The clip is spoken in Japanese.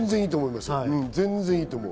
全然いいと思う。